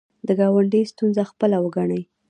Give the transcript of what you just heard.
د ګاونډي ستونزه خپله وګڼئ